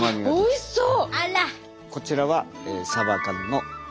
おいしそう！